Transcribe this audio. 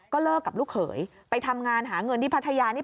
เลิกกับลูกเขยไปทำงานหาเงินที่พัทยานี่